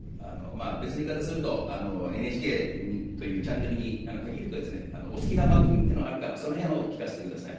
別の言い方すると、ＮＨＫというチャンネルに限ると、お好きな番組というのはあるか、そのへんを聞かせてください。